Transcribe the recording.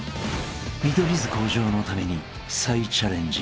［見取り図向上のために再チャレンジ］